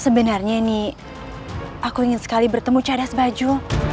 sebenarnya nini aku ingin sekali bertemu cadas bajo